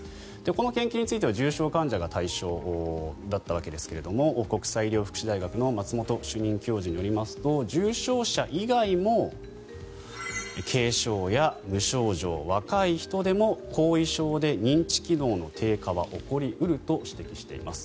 この研究については重症患者が対象だったわけですが国際医療福祉大学の松本主任教授によりますと重症者以外も軽症や無症状若い人でも後遺症で認知機能の低下は起こり得ると指摘しています。